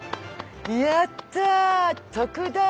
やったー！